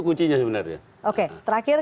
kuncinya sebenarnya oke terakhir